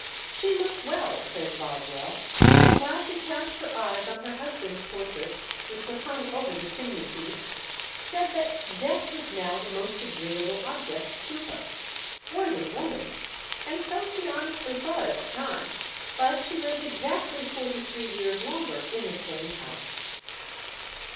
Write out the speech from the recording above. "She looked well," says Boswell; "and while she cast her eyes on her husband's portrait, which was hung over the chimney piece, said, that death was now the most agreeable object to her." Worthy woman! and so she honestly thought at the time; but she lived exactly forty three years longer in the same house.